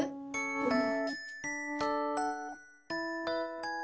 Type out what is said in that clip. うん。